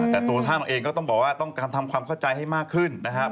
แต่ตัวท่านเองก็ต้องบอกว่าต้องการทำความเข้าใจให้มากขึ้นนะครับ